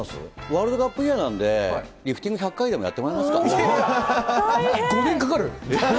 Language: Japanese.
ワールドカップイヤーなんで、リフティング１００回でもやって５年かかる。